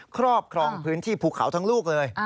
ครอบครองพื้นที่ภูเขาทั้งลูกเลย